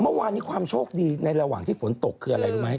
เมื่อวานนี้ความโชคดีในระหว่างที่ฝนตกคืออะไรรู้ไหม